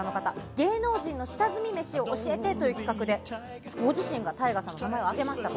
芸能人の下積み飯を教えてという企画でご自身がＴＡＩＧＡさんの名前を挙げました。